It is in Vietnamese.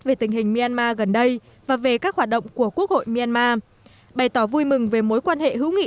về tình hình myanmar gần đây và về các hoạt động của quốc hội myanmar bày tỏ vui mừng về mối quan hệ hữu nghị